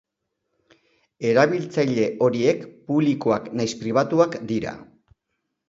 Erabiltzaile horiek publikoak nahiz pribatuak dira.